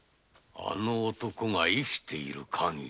あの男が生きているかぎり